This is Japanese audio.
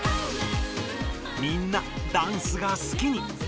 みんなダンスが好きに。